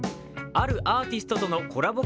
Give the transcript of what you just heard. あるアーティストとのコラボ